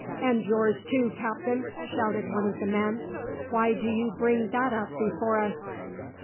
"And yours too, captain!" shouted one of the men. "Why do you bring that up before us?"